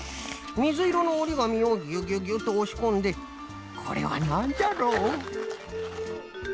みずいろのおりがみをギュギュギュッとおしこんでこれはなんじゃろう？